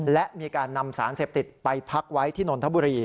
และมีการนำสารเสพติดไปพักไว้ที่นนทบุรี